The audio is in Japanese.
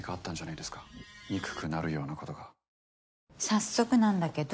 早速なんだけど。